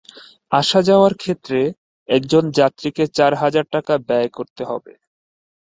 আসা যাওয়ার ক্ষেত্রে একজন যাত্রীকে চার হাজার টাকা ব্যয় করতে হবে।